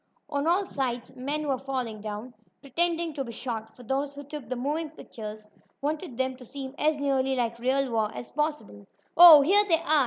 On all sides men were falling down, pretending to be shot, for those who took the moving pictures wanted them to seem as nearly like real war as possible. "Oh, here they are!"